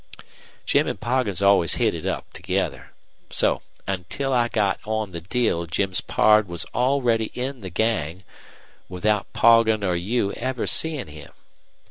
Jim an' Poggin always hit it up together. So until I got on the deal Jim's pard was already in the gang, without Poggin or you ever seein' him.